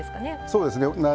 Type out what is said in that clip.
そうですね。